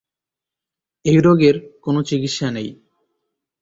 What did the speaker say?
এই রোগের কোন চিকিৎসা নেই।